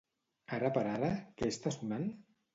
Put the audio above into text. Ara per ara, què està sonant?